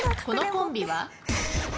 このコンビは？